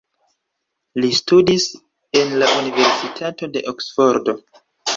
Li studis en la Universitato de Oksfordo.